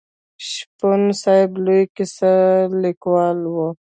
شپون صاحب لوی کیسه لیکوال و.